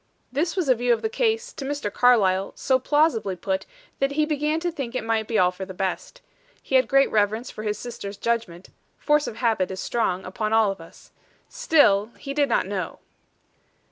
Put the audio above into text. This was a view of the case, to Mr. Carlyle, so plausibly put, that he began to think it might be all for the best. He had great reverence for his sister's judgment; force of habit is strong upon all of us. Still he did not know.